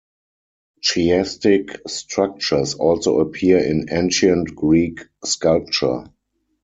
Chiastic structures also appear in Ancient Greek sculpture.